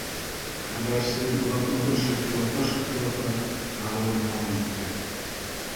Хәбәрсе блокнотын шытырлата-шытырлата яҙыуын дауам итте